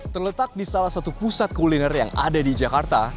terletak di salah satu pusat kuliner yang ada di jakarta